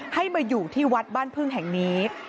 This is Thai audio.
ให้มาอยู่ที่วัดบ้านพึ่งแห่งนี้